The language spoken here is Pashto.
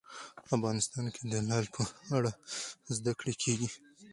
افغانستان کې د لعل په اړه زده کړه کېږي.